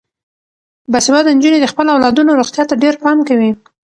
باسواده نجونې د خپلو اولادونو روغتیا ته ډیر پام کوي.